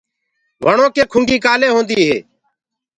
وڻو ڪي کُنگي ڪآلي هوندي هي؟